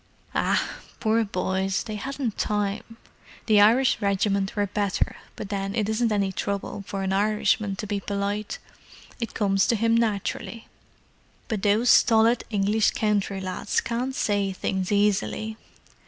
"Ah, poor boys, they hadn't time! The Irish regiments were better, but then it isn't any trouble for an Irishman to be polite; it comes to him naturally. But those stolid English country lads can't say things easily."